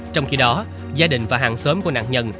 trong khi đó gia đình và hàng xóm của nạn nhân